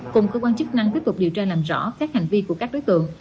cùng cơ quan chức năng tiếp tục điều tra làm rõ các hành vi của các đối tượng